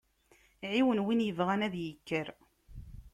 Ɛiwen win ibɣan ad ikker.